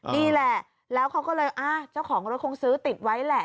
นี่แหละแล้วเขาก็เลยเจ้าของรถคงซื้อติดไว้แหละ